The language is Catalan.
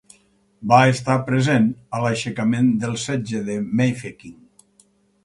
Va estar present a l'aixecament del Setge de Mafeking.